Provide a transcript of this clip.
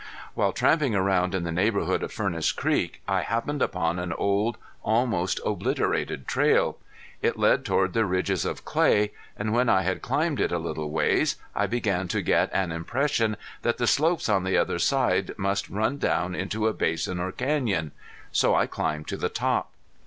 While tramping around in the neighborhood of Furnace Creek I happened upon an old almost obliterated trail. It led toward the ridges of clay, and when I had climbed it a little ways I began to get an impression that the slopes on the other side must run down into a basin or canyon. So I climbed to the top.